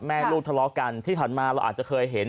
แม่ลูกทะเลาะกันที่ผ่านมาเราอาจจะเคยเห็น